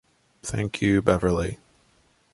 Thank You Beverley.